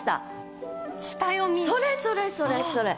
それそれそれそれ！